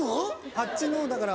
あっちのだから。